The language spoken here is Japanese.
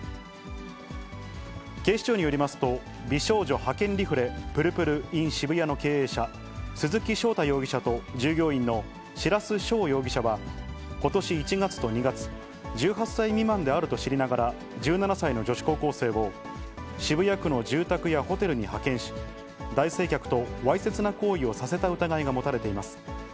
警視庁によりますと、美少女派遣リフレぷるぷるｉｎ渋谷の経営者、鈴木翔太容疑者と従業員の白須翔容疑者は、ことし１月と２月、１８歳未満であると知りながら、１７歳の女子高校生を、渋谷区の住宅やホテルに派遣し、男性客とわいせつな行為をさせた疑いが持たれています。